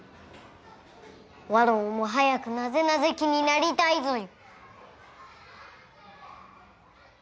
わらわも早く「なぜなぜ期」になりたいぞよ。